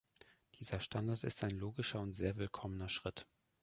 Dieser Standard ist ein logischer und sehr willkommener Schritt.